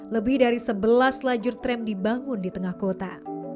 lebih dari sebelas lajur tram dibangun di tengah kota